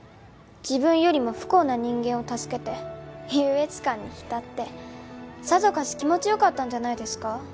自分よりも不幸な人間を助けて優越感に浸ってさぞかし気持ちよかったんじゃないですか？